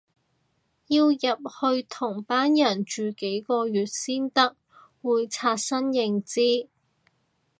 要入去同班人住幾個月先得，會刷新認知